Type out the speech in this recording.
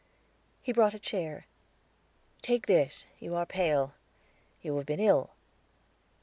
He brought a chair. "Take this; you are pale. You have been ill."